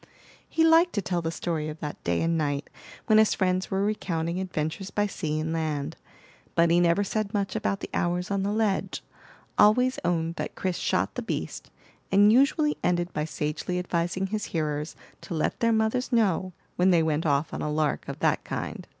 He liked to tell the story of that day and night when his friends were recounting adventures by sea and land; but he never said much about the hours on the ledge, always owned that Chris shot the beast, and usually ended by sagely advising his hearers to let their mothers know, when they went off on a lark of that kind.